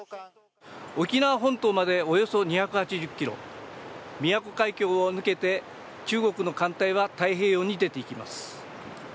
沖縄本島までおよそ２８０ｋｍ、宮古海峡を抜けて中国の艦隊は太平洋に出ていきます。